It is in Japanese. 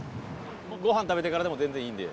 ごはん食べてからでも全然いいんで。